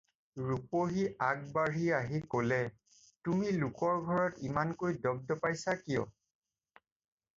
ৰূপহী আগবাঢ়ি আহি ক'লে- "তুমি লোকৰ ঘৰত ইমানকৈ দপ্দপাইছা কিয়?"